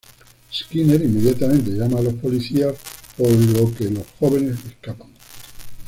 Skinner inmediatamente llama a la policía, por lo que los jóvenes escapan.